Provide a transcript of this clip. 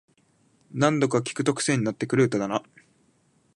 何度か聴くとクセになってくる歌だな